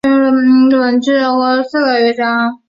本曲共分为四个乐章。